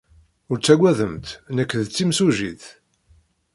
Ur ttaggademt. Nekk d timsujjit.